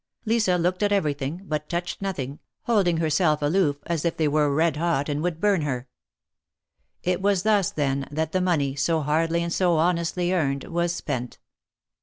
Lisa looked at everything, but touched nothing, holding herself aloof as if they were red hot and would burn her. It was thus, then, that the money, so hardly and so honestly earned, was spent.